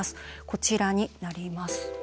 こちらになります。